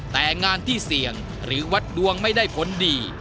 แต่งานที่เสี่ยงหรือวัดดวงไม่ได้ผลดี